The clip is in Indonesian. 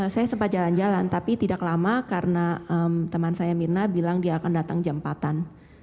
saya sempat jalan jalan tapi tidak lama karena teman saya mirna bilang dia akan datang jam empatan